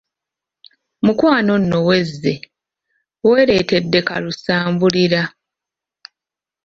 Mukwano nno wezze, weereetedde kalusambulira.